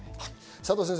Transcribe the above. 佐藤先生